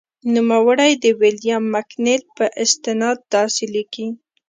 نوموړی د ویلیام مکنیل په استناد داسې لیکي.